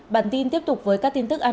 bản tin tiếp tục với các tin tức an